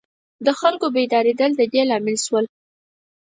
د خلکو بیدارېدل د دې لامل شول.